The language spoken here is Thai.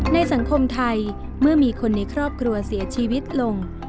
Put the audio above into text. ในสังคมไทยเมื่อมีคนในครอบครัวเสียชีวิตลง